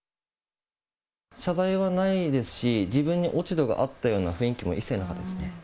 謝罪はないですし、自分に落ち度があったような雰囲気も一切なかったですね。